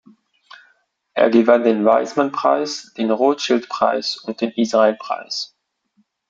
Er gewann den Weizmann-Preis, den Rothschild-Preis und den Israel-Preis.